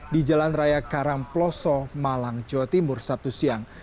di jalan raya karangploso malang jawa timur sabtu siang